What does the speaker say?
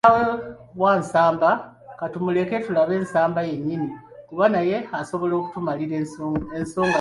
Kitaawe wa Nsamba katumuleke tulabe Nsamba yennyini kuba naye asobola okutumalira ensonga yaffe.